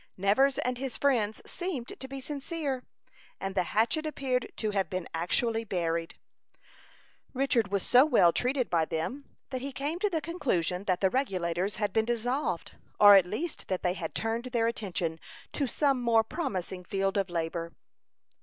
Nevers and his friends seemed to be sincere, and the hatchet appeared to have been actually buried. Richard was so well treated by them, that he came to the conclusion that the Regulators had been dissolved, or at least that they had turned their attention to some more promising field of labor.